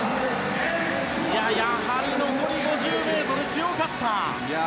やはり残り５０ｍ強かった。